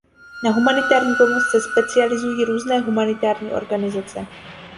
Na humanitární pomoc se specializují různé humanitární organizace.